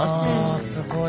すごい。